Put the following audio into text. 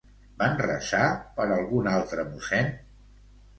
Van resar per algun altre mossèn?